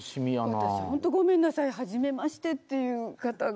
私、本当ごめんなさい、初めましてという方が。